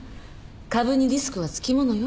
株にリスクは付きものよ。